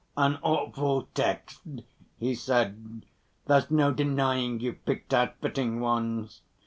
"An awful text," he said. "There's no denying you've picked out fitting ones."